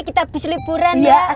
kita abis lipuran ya